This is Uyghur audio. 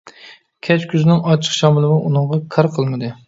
كەچ كۈزنىڭ ئاچچىق شامىلىمۇ ئۇنىڭغا كار قىلمىدى.